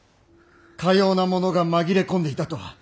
かような者が紛れ込んでいたとは。